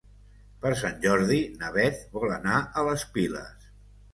Per Sant Jordi na Beth vol anar a les Piles.